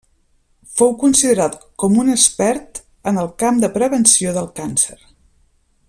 Fou considerat com un expert en el camp de prevenció del càncer.